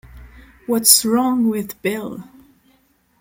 What's Wrong with Bill?